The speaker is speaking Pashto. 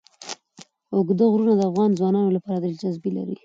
اوږده غرونه د افغان ځوانانو لپاره دلچسپي لري.